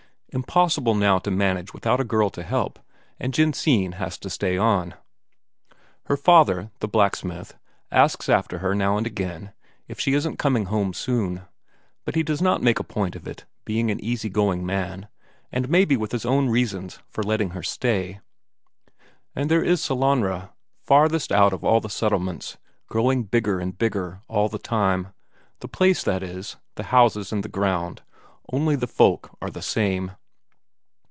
Impossible now to manage without a girl to help, and Jensine has to stay on. Her father, the blacksmith, asks after her now and again, if she isn't coming home soon; but he does not make a point of it, being an easy going man, and maybe with his own reasons for letting her stay. And there is Sellanraa, farthest out of all the settlements, growing bigger and bigger all the time; the place, that is, the houses and the ground, only the folk are the same.